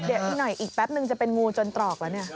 เดี๋ยวหน่อยอีกแป๊บหนึ่งจะเป็นงูจนตรอกละนี่